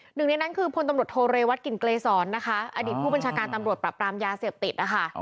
หนึ่งในนั้นคือพตโทเรวัตกินเกรสรอดิษฐ์ผู้บัญชาการตำรวจปรับปรามยาเสียบติด